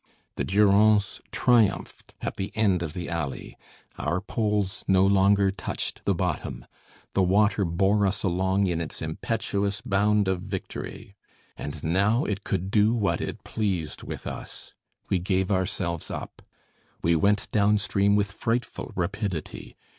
The Durance triumphed at the end of the alley. Our poles no longer touched the bottom. The water bore us along in its impetuous bound of victory. And now it could do what it pleased with us. We gave ourselves up. We went downstream with frightful rapidity.